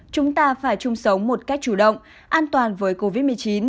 chúng ta phải chung sống một cách chủ động an toàn với covid một mươi chín